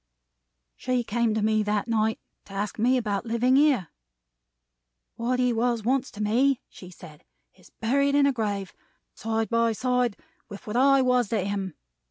"She came to me that night to ask me about living here. 'What he was once to me,' she said, 'is buried in a grave, side by side with what I was to him.